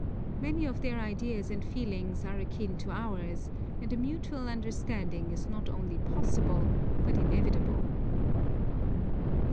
Many of their ideas and feelings are akin to ours, and a mutual understanding is not only possible, but inevitable.